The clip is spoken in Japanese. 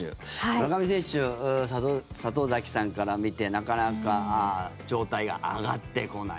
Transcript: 村上選手、里崎さんから見てなかなか状態が上がってこない。